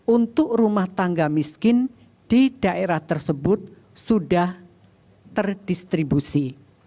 untuk rumah tangga miskin di daerah tersebut sudah terdistribusi